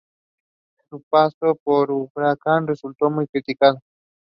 In the period referred to as Tulip period in Ottoman history.